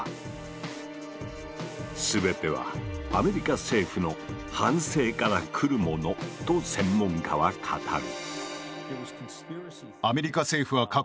全てはアメリカ政府の「反省」から来るものと専門家は語る。